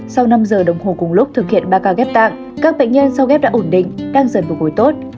sau năm giờ đồng hồ cùng lúc thực hiện ba ca ghép tạng các bệnh nhân sau ghép đã ổn định đang dần phục hồi tốt